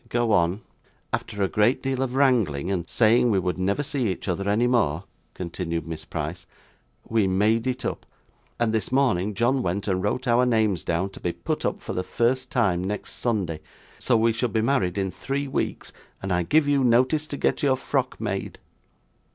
'Go on.' 'After a great deal of wrangling, and saying we would never see each other any more,' continued Miss Price, 'we made it up, and this morning John went and wrote our names down to be put up, for the first time, next Sunday, so we shall be married in three weeks, and I give you notice to get your frock made.